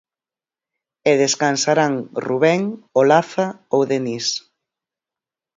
E descansarán Rubén, Olaza ou Denis.